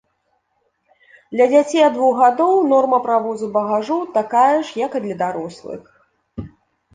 Для дзяцей ад двух гадоў норма правозу багажу такая ж, як і для дарослых.